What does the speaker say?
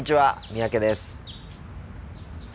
三宅です。